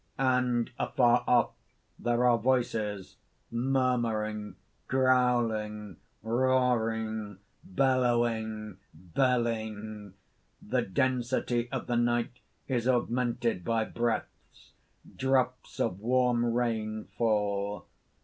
_ _And afar off there are voices, murmuring, growling, roaring, bellowing, belling. The density of the night is augmented by breaths. Drops of warm rain fall.